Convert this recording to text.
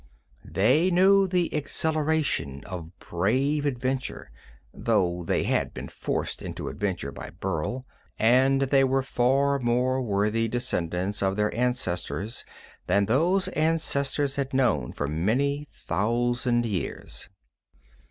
They knew the exhilaration of brave adventure though they had been forced into adventure by Burl and they were far more worthy descendants of their ancestors than those ancestors had known for many thousand years.